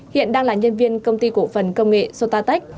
hiện đang là nhân viên công ty cổ phần công nghệ sotatech